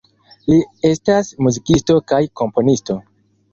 Li estas muzikisto kaj komponisto.